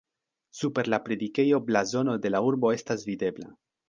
Super la predikejo blazono de la urbo estas videbla.